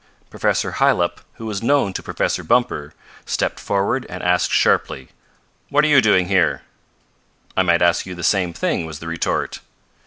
Professor Hylop, who was known to Professor Bumper, stepped forward and asked sharply: "What are you doing here?" "I might ask you the same thing," was the retort.